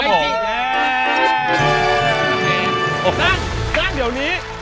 นั่นเดี๋ยวนี้